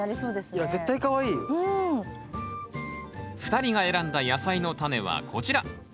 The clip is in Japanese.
２人が選んだ野菜のタネはこちら。